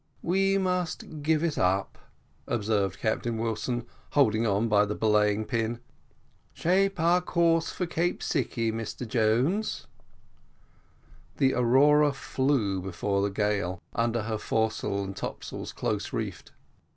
"We must give it up," observed Captain Wilson, holding on by the belaying pin. "Shape our course for Cape Sicie, Mr Jones." And the Aurora flew before the gale, under her foresail and topsails close reefed.